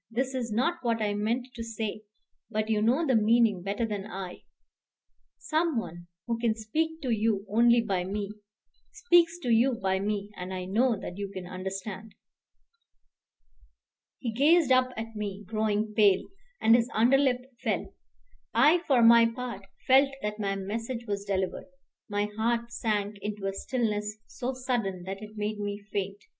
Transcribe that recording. This is not what I meant to say; but you know the meaning better than I. Some one who can speak to you only by me speaks to you by me; and I know that you understand." He gazed up at me, growing pale, and his underlip fell. I, for my part, felt that my message was delivered. My heart sank into a stillness so sudden that it made me faint.